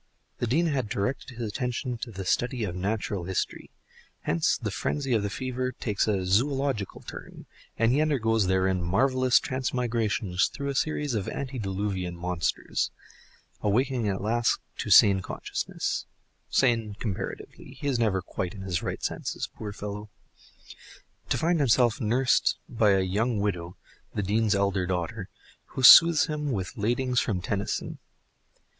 The Dean had directed his attention to the study of natural history; hence the frenzy of the fever takes a zoological turn, and he undergoes therein marvellous transmigrations through a series of antediluvian monsters; awaking at last to sane consciousness (sane comparatively, he is never quite in his right senses, poor fellow) to find himself nursed by a young widow, the dean's elder daughter, who soothes him with ladings from Tennyson.